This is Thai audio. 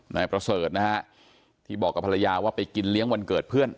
นายประเสริฐนะฮะที่บอกกับภรรยาว่าไปกินเลี้ยงวันเกิดเพื่อน